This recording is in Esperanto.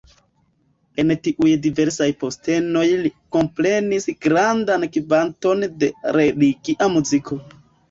En tiuj diversaj postenoj li komponis grandan kvanton de religia muziko.